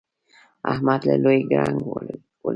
احمد له لوی ګړنګ ولوېد.